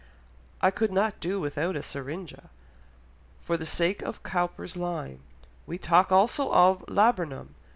I could not do without a syringa, for the sake of Cowper's line. We talk also of a laburnum.